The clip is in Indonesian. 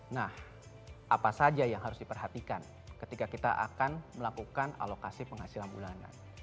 nah apa saja yang harus diperhatikan ketika kita akan melakukan alokasi penghasilan bulanan